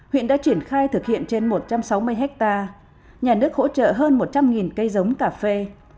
huyện đã triển khai thực hiện trên một trăm sáu mươi ha nhà nước hỗ trợ hơn một trăm linh cây giống cà phê